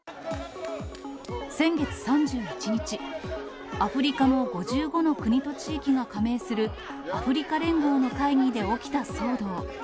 先月３１日、アフリカの５５の国と地域が加盟する、アフリカ連合の会議で起きた騒動。